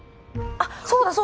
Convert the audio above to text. あっそうだそうだ！